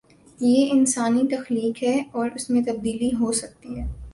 یہ انسانی تخلیق ہے اور اس میں تبدیلی ہو سکتی ہے۔